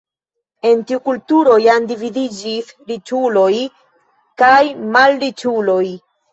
En tiu kulturo jam dividiĝis riĉuloj kaj malriĉuloj.